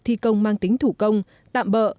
thi công mang tính thủ công tạm bỡ